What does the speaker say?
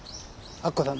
明子さん